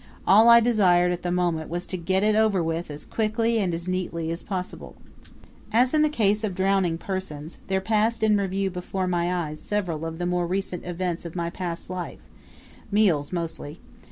All I desired at the moment was to get it over with as quickly and as neatly as possible. As in the case of drowning persons, there passed in review before my eyes several of the more recent events of my past life meals mostly.